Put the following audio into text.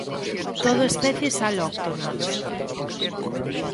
Todo especies alóctonas.